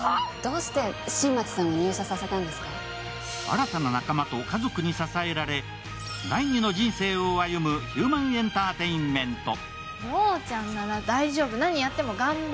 新たな仲間と家族に支えられ第二の人生を歩ヒューマンエンターテインメント。